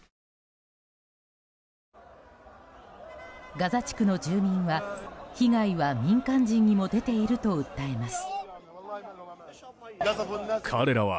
ガザ地区の住民は、被害は民間人にも出ていると訴えます。